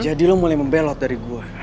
jadi lo mulai membelot dari gue